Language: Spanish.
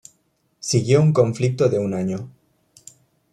Siguió un conflicto de un año.